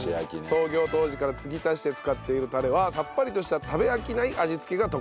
創業当時から継ぎ足して使っているタレはさっぱりとした食べ飽きない味付けが特徴。